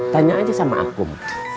tanya aja sama akum